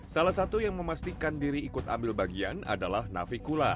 salah satu yang memastikan diri ikut ambil bagian adalah navikula